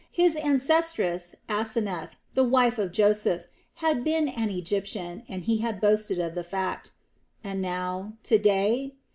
His ancestress Asenath, the wife of Joseph, had been an Egyptian and he had boasted of the fact. And now, to day?